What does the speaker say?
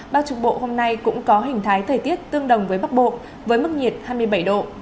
bắc trung bộ hôm nay cũng có hình thái thời tiết tương đồng với bắc bộ với mức nhiệt hai mươi bảy độ